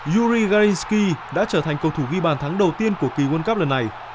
yuri gelensky đã trở thành cầu thủ ghi bàn thắng đầu tiên của kỳ world cup lần này